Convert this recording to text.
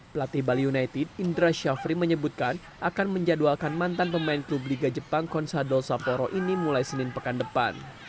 pelatih bali united indra syafri menyebutkan akan menjadwalkan mantan pemain klub liga jepang konsadol saporo ini mulai senin pekan depan